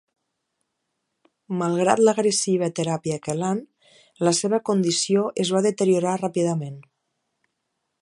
Malgrat l'agressiva teràpia quelant, la seva condició es va deteriorar ràpidament.